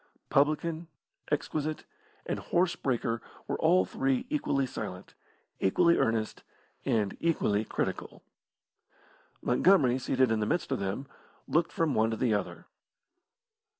Publican, exquisite, and horse breaker were all three equally silent, equally earnest, and equally critical. Montgomery seated in the midst of them, looked from one to the other.